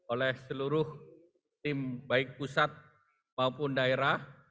oleh seluruh tim baik pusat maupun daerah